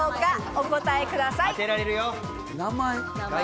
お答えください。